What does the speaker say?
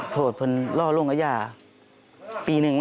โทษพี่รอล่วงอาญาปีหนึ่ง